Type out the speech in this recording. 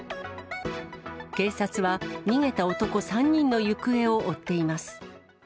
警察は、逃げた男３人の行方を追っています。